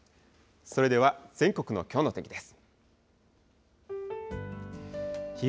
それでは全国のきょうの天気です。